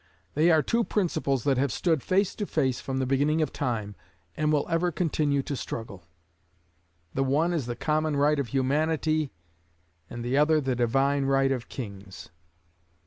They are two principles that have stood face to face from the beginning of time; and will ever continue to struggle. The one is the common right of humanity, and the other the divine right of kings.